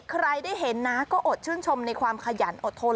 ใครได้เห็นนะก็อดชื่นชมในความขยันอดทน